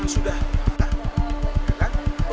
yang sudah diganggu